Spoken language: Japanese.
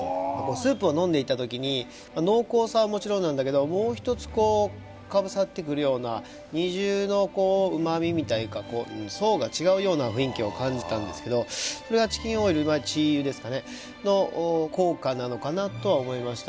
スープを飲んでいた時に濃厚さはもちろんなんだけどような２重の旨味みたいいうか層が違うような雰囲気を感じたんですけどそれはチキンオイルまあ鶏油ですかねの効果なのかなとは思いました